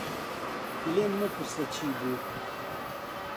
لێم مەپرسە چی بوو.